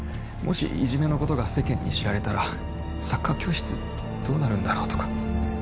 もしいじめのことが世間に知られたらサッカー教室どうなるんだろうとか。